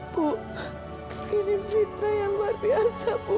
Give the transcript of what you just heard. bu ini fitra yang luar biasa bu